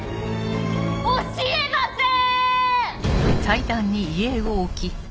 教えません！